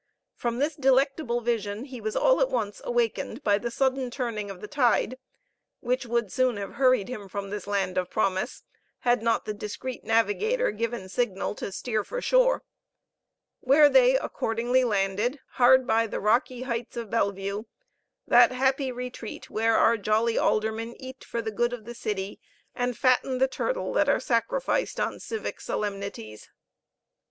From this delectable vision he was all at once awakened by the sudden turning of the tide, which would soon have hurried him from this land of promise, had not the discreet navigator given signal to steer for shore; where they accordingly landed hard by the rocky heights of Bellevue that happy retreat where our jolly aldermen eat for the good of the city, and fatten the turtle that are sacrificed on civic solemnities.